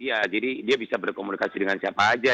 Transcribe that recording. iya jadi dia bisa berkomunikasi dengan siapa aja